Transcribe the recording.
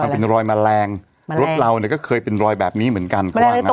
มันเป็นรอยแมลงรถเราก็เคยเป็นรอยแบบนี้เหมือนกัน